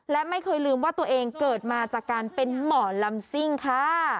และไม่เคยลืมว่าตัวเองเกิดมาจากการเป็นหมอลำซิ่งค่ะ